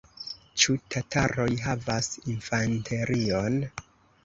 Ĉu tataroj havas infanterion?